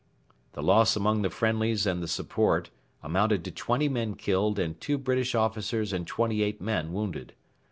The loss among the friendlies and the support amounted to twenty men killed and two British officers and twenty eight men wounded.